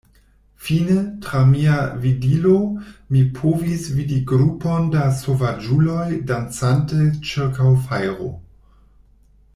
Fine, tra mia vidilo mi povis vidi grupon da sovaĝuloj dancante ĉirkaŭ fajro.